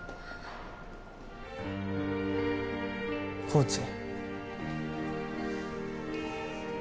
コーチ。